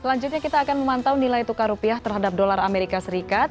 selanjutnya kita akan memantau nilai tukar rupiah terhadap dolar amerika serikat